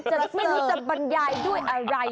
ไม่รู้จะบรรยายด้วยอะไร